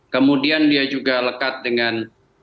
kemudian dia juga lekat dengan